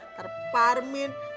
ntar pak arwin